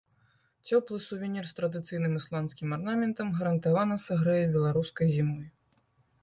Цёплы сувенір з традыцыйным ісландскім арнаментам гарантавана сагрэе беларускай зімой.